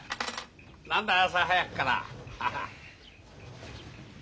何だ朝早くから。